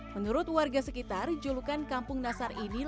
menurut warga sekitar julukan kampung nastar ini lainnya